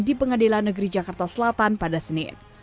di pengadilan negeri jakarta selatan pada senin